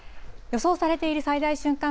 予想されている最大瞬間